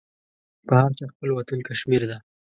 په هر چا خپل وطن کشمير ده.